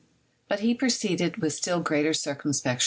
But he proceeded with still greater circumspec Fig.